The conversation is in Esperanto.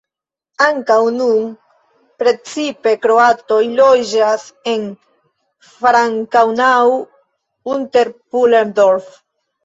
Ankaŭ nun precipe kroatoj loĝas en Frankenau-Unterpullendorf.